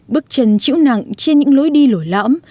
bước chân chịu nặng trên những lối đi lổi lõm